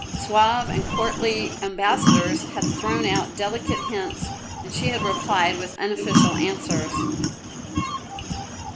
Suave and courtly ambassadors had thrown out delicate hints, and she had replied with unofficial answers.